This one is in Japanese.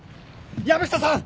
藪下さん